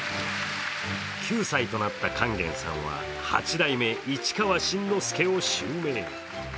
９歳となった勸玄さんは八代目・市川新之助を襲名。